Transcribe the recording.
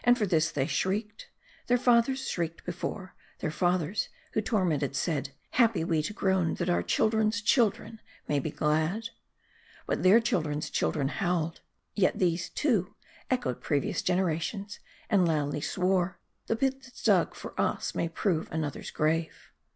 For tjiis they shrieked. Their fathers shrieked be fore ; their fathers, who, tormented, said, " Happy we to groan, that our children's children may be glad." But their children's children howled. Yet these, too, echoed previous generations, and loudly swore, " The pit that's dug for us may prove another's grave."